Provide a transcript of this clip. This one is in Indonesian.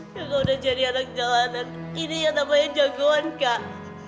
kalau udah jadi anak jalanan ini yang namanya jagoan kak